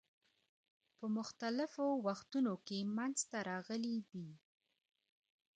په مختلفو وختونو کې منځته راغلي دي.